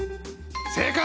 正解！